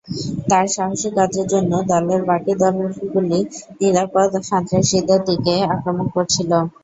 তার সাহসী কাজের জন্য দলের বাকি দলগুলি নিরাপদে সন্ত্রাসীদের দিকে আক্রমণ করছিল।